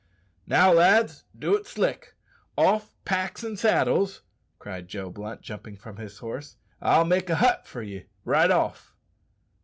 "Now, lads, do it slick. Off packs and saddles," cried Joe Blunt, jumping from his horse. "I'll make a hut for ye, right off."